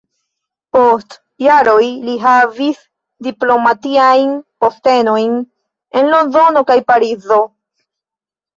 Post jaroj li havis diplomatiajn postenojn en Londono kaj Parizo.